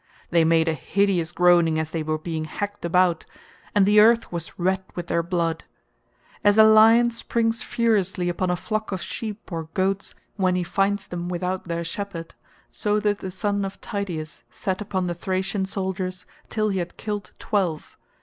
They made a hideous groaning as they were being hacked about, and the earth was red with their blood. As a lion springs furiously upon a flock of sheep or goats when he finds them without their shepherd, so did the son of Tydeus set upon the Thracian soldiers till he had killed twelve.